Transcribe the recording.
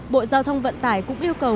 bộ giao thông vận tải cũng yêu cầu